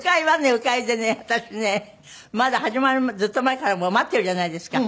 私ねまだ始まるずっと前からもう待ってるじゃないですか。